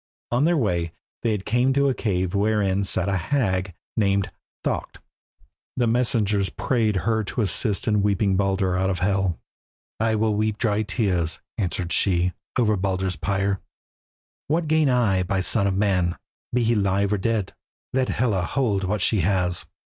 On their way they came to a cave wherein sat a hag named Thaukt. The messengers prayed her to assist in weeping Baldur out of Hel. "I will weep dry tears," answered she, "over Baldur's pyre. What gain I by the son of man, be he live or dead? Let Hela hold what she has."